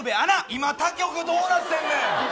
今、他局どうなってんねん。